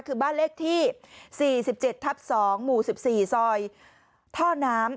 คือบ้านเลขที่๔๗ทับ๒หมู่๑๔ซอยท่อน้ำ